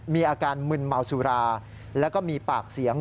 มีอาการมึนเมาสุราแล้วก็มีปากเสียง